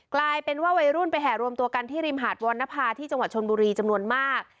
กลายเป็นว่าวัยรุ่นไปแห่รวมตัวกันที่ริมหาดวรรณภาที่จังหวัดชนบุรีจำนวนมาก